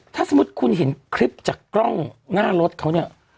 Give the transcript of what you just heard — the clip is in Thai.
ถ้าสมมุติคุณเห็นคลิปจากกล้องหน้ารถเขาเนี่ย